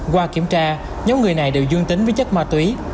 qua kiểm tra nhóm người này đều dương tính với chất ma túy